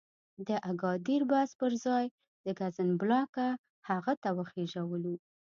د اګادیر بس پر ځای د کزنبلاکه هغه ته وخېژولو.